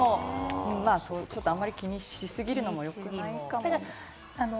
あまり気にしすぎるのもよくないかも。